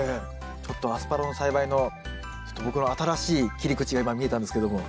ちょっとアスパラの栽培のちょっと僕の新しい切り口が今見えたんですけども。